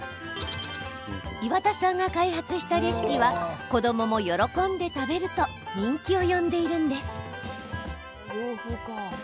岩田さんが開発したレシピは子どもも喜んで食べると人気を呼んでいるんです。